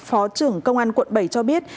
phó trưởng công an quận bảy cho biết